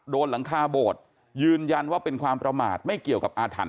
หลังคาโบสถ์ยืนยันว่าเป็นความประมาทไม่เกี่ยวกับอาถรรพ